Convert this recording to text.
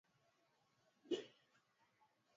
baba yake nicholas eden alikuwa anaitwa anthony eden